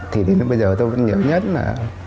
thì đến bây giờ tôi vẫn nhớ nhất là